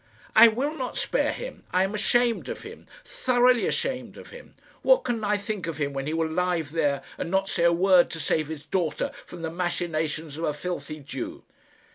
"I will not spare him. I am ashamed of him thoroughly ashamed of him. What can I think of him when he will lie there and not say a word to save his daughter from the machinations of a filthy Jew?"